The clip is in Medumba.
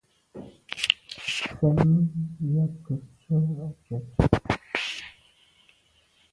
Mfen yag ke ntswe à ntshwèt.